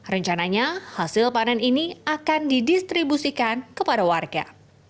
rencananya hasil panen ini akan didistribusikan kepada warga